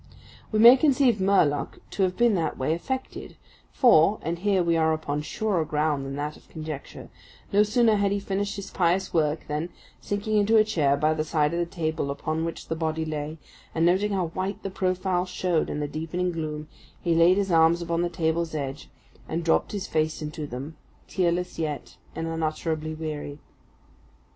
We may conceive Murlock to have been that way affected, for (and here we are upon surer ground than that of conjecture) no sooner had he finished his pious work than, sinking into a chair by the side of the table upon which the body lay, and noting how white the profile showed in the deepening gloom, he laid his arms upon the table's edge, and dropped his face into them, tearless yet and unutterably weary.